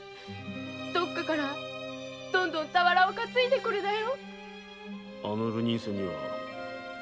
どっかからどんどん俵を担いでくるだよ。